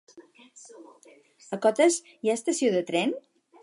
A Cotes hi ha estació de tren?